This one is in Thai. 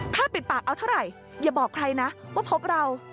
ปิดปากเอาเท่าไหร่อย่าบอกใครนะว่าพบเรา